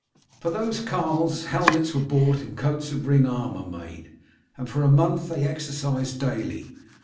For those carls helmets were bought and coats of ringed armour made, and for a month they exercised daily.